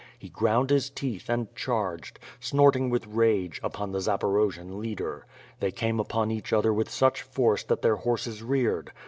He ground his teeth and charged, snorting with rage, upon the Zaporojian leader. They came upon each other with such force that their horses reared.